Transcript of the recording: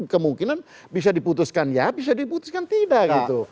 kemungkinan bisa diputuskan ya bisa diputuskan tidak gitu